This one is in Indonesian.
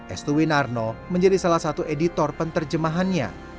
estuwi narno menjadi salah satu editor penterjemahannya